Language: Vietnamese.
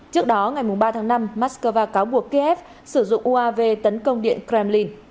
trước đó ngày ba tháng năm moscow cáo buộc kiev sử dụng uav tấn công điện kremlin